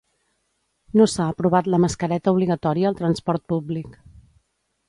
No s'ha aprovat la mascareta obligatòria al transport públic.